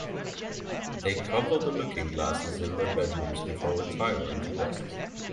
They cover the looking glasses in their bedrooms before retiring to rest.